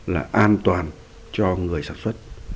là an toàn cho người sản xuất